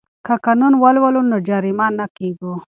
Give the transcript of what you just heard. که قانون ولولو نو جریمه نه کیږو.